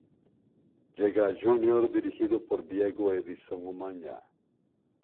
Llega a Junior dirigido por Diego Edison Umaña.